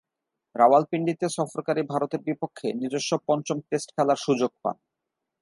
রাওয়ালপিন্ডিতে সফরকারী ভারতের বিপক্ষে নিজস্ব পঞ্চম টেস্ট খেলার সুযোগ পান।